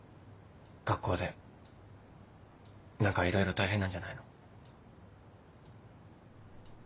学校で何かいろいろ大変なんじゃないの？